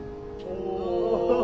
お。